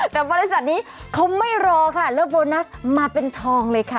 แต่บริษัทนี้เขาไม่รอค่ะแล้วโบนัสมาเป็นทองเลยค่ะ